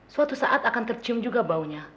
suatu saat akan tercium juga baunya